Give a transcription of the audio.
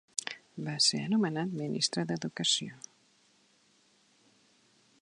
Va ser nomenat ministre d'Educació.